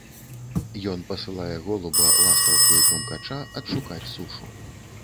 Ён пасылае голуба, ластаўку і крумкача адшукаць сушу.